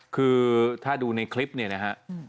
คือถ้าดูในคลิปเนี่ยนะฮะ